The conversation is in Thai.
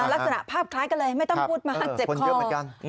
ลักษณะภาพคล้ายกันเลยไม่ต้องพูดมาหักเจ็บคอ